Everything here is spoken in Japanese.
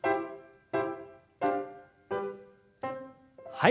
はい。